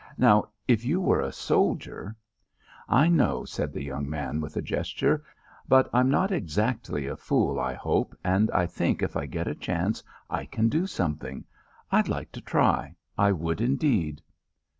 Now, if you were a soldier " "I know," said the young man with a gesture, "but I'm not exactly a fool, I hope, and I think if I get a chance I can do something. I'd like to try. I would, indeed."